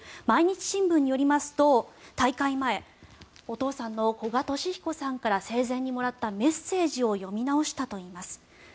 毎日新聞によりますと、大会前お父さんの古賀稔彦さんから生前にもらったメッセージを読み直したといいます。